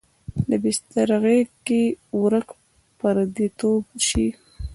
د بستر غیږ کې ورک پردی توب شي